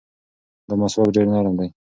دا مسواک ډېر نرم دی.